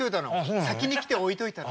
先に来て置いといたの。